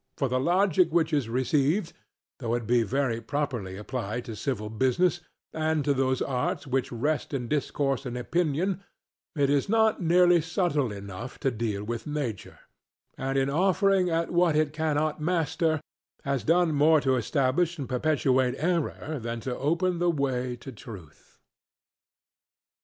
For the Logic which is received, though it be very properly applied to civil business and to those arts which rest in discourse and opinion, is not nearly subtle enough to deal with nature; and in offering at what it cannot master, has done more to establish and perpetuate error than to open the way to truth.